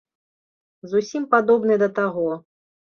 Зусім падобны да таго.